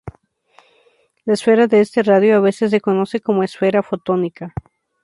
La esfera de este radio a veces se conoce como esfera fotónica.